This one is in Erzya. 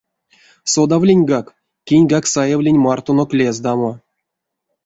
Содавлиньгак, киньгак саевлинь мартонок лездамо.